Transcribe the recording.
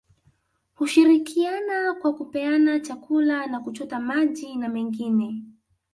Hushirikiana kwa kupeana chakula na kuchota maji na mengine